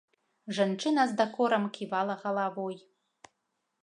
Жанчына з дакорам ківала галавой.